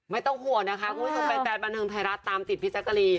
ไม่ต้องห่วงนะคะคุณผู้ชมแฟนบันเทิงไทยรัฐตามติดพี่แจ๊กกะรีน